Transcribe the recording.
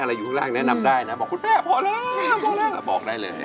อยู่ข้างล่างแนะนำได้นะบอกคุณแม่พอแล้วพอแล้วบอกได้เลย